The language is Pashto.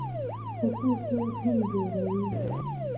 خو ټول یو هند جوړوي.